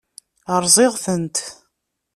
Rẓiɣ-tent.